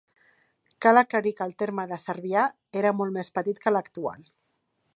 Cal aclarir que el terme de Cervià era molt més petit que l'actual.